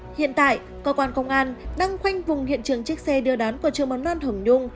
hiện tại cơ quan công an đang khoanh vùng hiện trường chiếc xe đưa đón của trường mầm non hồng nhung